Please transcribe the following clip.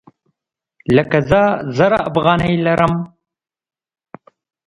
لکه زه زر افغانۍ لرم